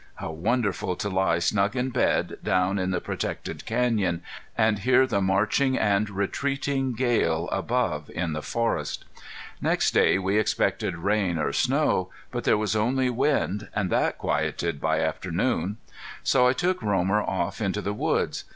How wonderful to lie snug in bed, down in the protected canyon, and hear the marching and retreating gale above in the forest! Next day we expected rain or snow. But there was only wind, and that quieted by afternoon. So I took Romer off into the woods.